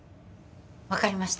分かりました